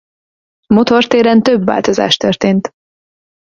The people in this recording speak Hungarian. Motortéren több változás történt.